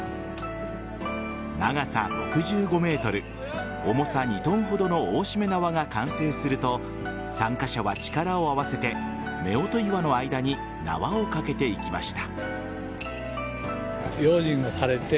長さ６５ｍ、重さ２ｔほどの大しめ縄が完成すると参加者は力を合わせて夫婦岩の間に縄をかけていきました。